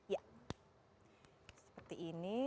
ya seperti ini